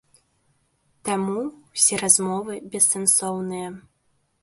Таму ўсе размовы бессэнсоўныя.